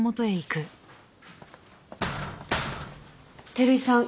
照井さん